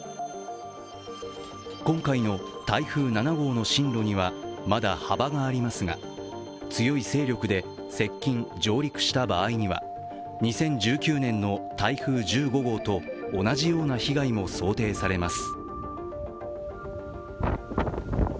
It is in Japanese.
今回の台風７号の進路にはまだ幅がありますが、強い勢力で接近・上陸した場合には２０１９年の台風１５号と同じような被害も想定されます。